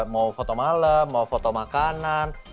mau foto malam mau foto makanan